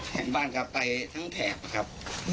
แห่งบ้านกลับไปทั้งแถบนะครับ